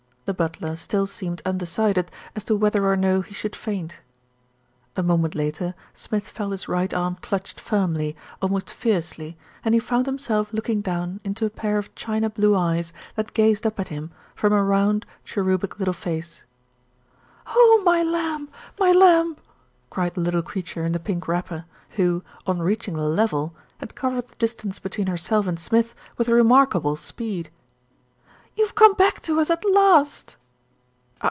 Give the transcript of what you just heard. The butler still seemed unde cided as to whether or no he should faint. A moment later Smith felt his right arm clutched firmly, almost fiercely, and he found himself looking down into a pair of china blue eyes that gazed up at him from a round, cherubic little face. "Oh, my lamb, my lamb!" cried the little creature in the pink wrapper, who, on reaching the level, had covered the distance between herself and Smith with remarkable speed. "You've come back to us at last!"